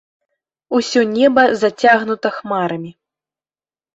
Усе неба зацягнута хмарамі.